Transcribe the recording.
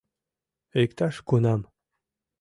- Иктаж-кунам...